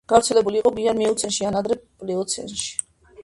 გავრცელებული იყო გვიან მიოცენში ან ადრე პლიოცენში.